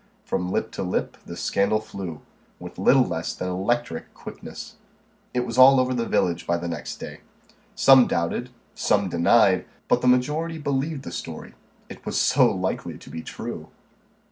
From lip to lip the scandal flew, with little less than electric quickness. It was all over the village by the next day. Some doubted, some denied, but the majority believed the story it was so likely to be true.